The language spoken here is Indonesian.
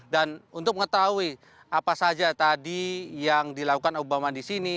dan untuk mengetahui apa saja tadi yang dilakukan obama di sini